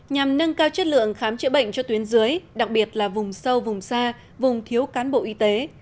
nhằm nâng cao chất lượng khám chữa bệnh cho tuyến dưới đặc biệt là vùng sâu vùng xa vùng thiếu cán bộ y tế